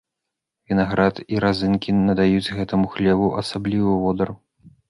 Вінаград і разынкі надаюць гэтаму хлебу асаблівы водар.